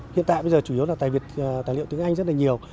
hiện tại bây giờ chủ yếu là tài liệu tiếng anh rất là nhiều